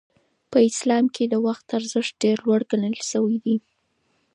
په اسلام کې د وخت ارزښت ډېر لوړ ګڼل شوی دی.